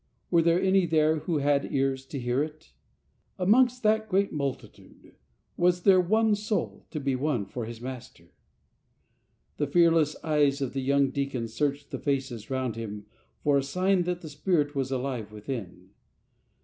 Were there any there who had ears to hear it ? Amongst that great multitude was there one soul to be won for his Master ? The fearless eyes of the young deacon searched the faces round him for a sign that the spirit was alive witliin.